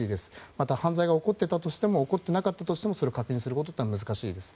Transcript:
また犯罪が起こっていたとしても起こってなかったとしても確認することは難しいです。